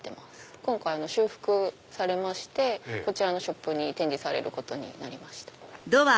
今回修復されましてこちらのショップに展示されることになりました。